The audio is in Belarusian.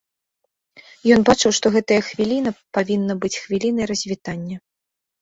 Ён бачыў, што гэтая хвіліна павінна быць хвілінай развітання.